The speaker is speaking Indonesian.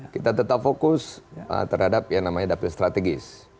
kita tetap fokus terhadap yang namanya dapil strategis